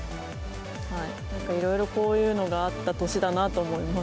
なんかいろいろ、こういうのがあった年だなと思います。